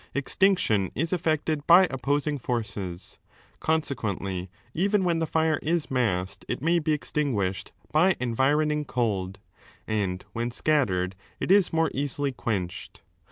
Kxtinction is effected by opposing s I forces, Consequently even when the fire is massed it may I be extinguished by environing cold, and when scattered it more easily quenched.